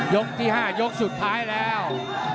ยกที่๕ยกสุดท้ายแล้ว